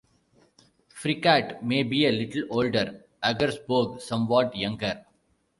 Fyrkat may be a little older, Aggersborg somewhat younger.